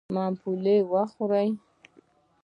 ممپلي و خورئ.